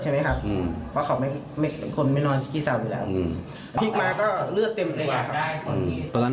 ใช่ครับตอนนี้หักปุ๊บเจอมือไปโดน